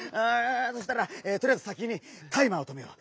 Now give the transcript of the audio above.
そしたらとりあえず先にタイマーをとめよう。